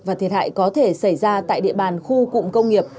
và thiệt hại có thể xảy ra tại địa bàn khu cụm công nghiệp